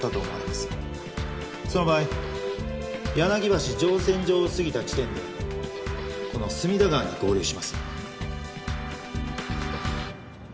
その場合柳橋乗船場を過ぎた地点でこの隅田川に合流します。